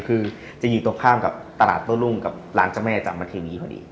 คือจะอยู่ตรงข้ามกับตลาดโต้รุ่งกับร้านเจ้าแม่จามเทนีพอดี